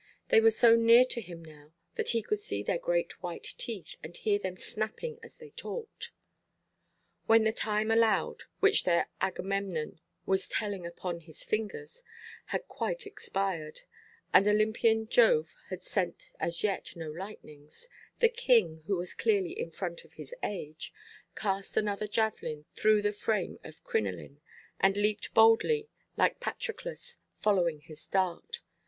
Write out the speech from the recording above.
They were so near to him now that he could see their great white teeth, and hear them snapping as they talked. When the time allowed, which their Agamemnon was telling upon his fingers, had quite expired, and Olympian Jove had sent as yet no lightnings, the king, who was clearly in front of his age, cast another javelin through the frame of crinoline, and leaped boldly, like Patroclus, following his dart.